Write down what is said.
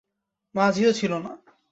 মাঝিও ছিল না।